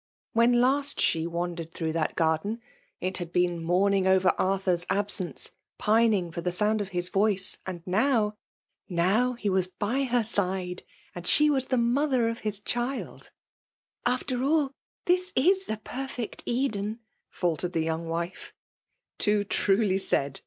When last she wandered through that garden, it had been mourning over Arthur's absence, pining for the sound of his voice, — and now — now — ^he was by her side, and she was the mother of his child ! 4b I^EMALB DOMlKATIOy. " After all, this is a perfect Eden !" ftkered the young wife. " Too truly said